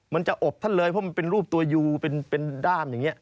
มันจะอบท่านเลยเพราะมันเป็นรูปตัวยูเป็นด้ามอย่างนี้